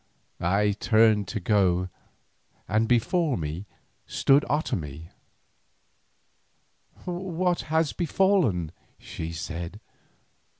I turned to go, and before me stood Otomie. "What has befallen?" she said.